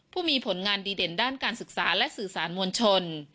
ผู้มีผลงานดีเด่นด้านการศึกษาและสื่อสารมวลชน